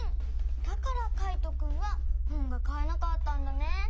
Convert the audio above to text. だからカイトくんはほんがかえなかったんだね。